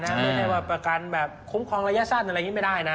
ไม่ได้ว่าประกันคุ้มครองระยะสั้นอะไรงี้ไม่ได้นะ